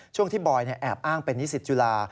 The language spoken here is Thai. ช่วงที่บอยแอบอ้างเป็นนิสิตจุฬา